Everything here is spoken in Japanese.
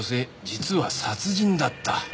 実は殺人だった」